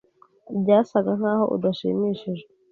Byasaga nkaho udashimishijwe